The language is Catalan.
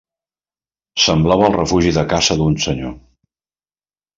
Semblava el refugi de caça d'un senyor.